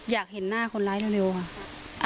อยากเห็นหน้าคนร้ายเร็วค่ะ